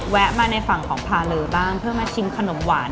มาในฝั่งของพาเลอบ้างเพื่อมาชิมขนมหวาน